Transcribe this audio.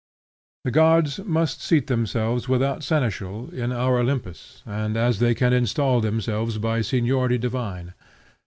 The gods must seat themselves without seneschal in our Olympus, and as they can instal themselves by seniority divine.